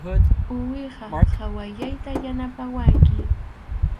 Uwiha qhawayllata yanapawanki.